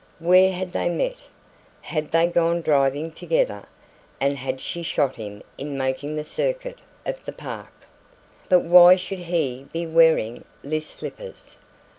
Where had they met? Had they gone driving together, and had she shot him in making the circuit of the Park? But why should he be wearing list slippers?